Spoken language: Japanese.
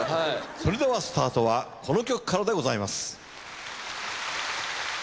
それではスタートはこの曲からでございます。